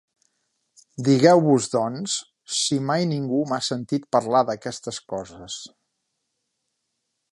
Digueu-vos, doncs, si mai ningú m'ha sentit parlar d'aquestes coses.